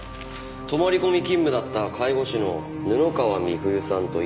泊まり込み勤務だった介護士の布川美冬さんと井手穂香さん